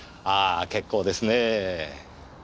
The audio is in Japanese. ああ結構ですねぇ。